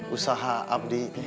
usaha abdi te